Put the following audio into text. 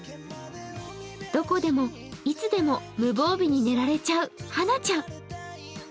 どこでも、いつでも無防備に寝られちゃうはなちゃん。